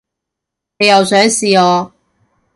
你又想試我